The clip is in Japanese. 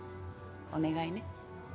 お願いね。